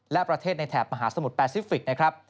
และประเทศในแถบมหาสมุดแบร์ซิฟิก